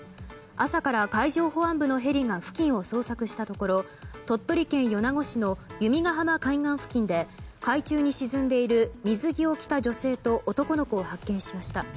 朝から海上保安部のヘリが付近を捜索したところ鳥取県米子市の弓ヶ浜海岸付近で海中に沈んでいる水着を着た女性と男の子を発見しました。